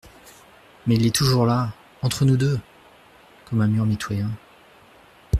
Mais il est toujours là, entre nous deux… comme un mur mitoyen.